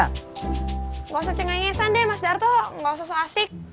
enggak usah cengengesan deh mas darto enggak usah soal asik